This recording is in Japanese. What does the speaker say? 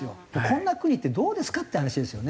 こんな国ってどうですかって話ですよね。